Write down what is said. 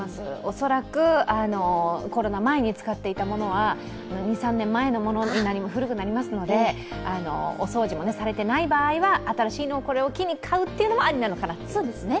恐らく、コロナ前に使っていたものは２３年前のもので古くなりますのでお掃除もされてない場合は新しいのをこの機に買うというのもいいですね。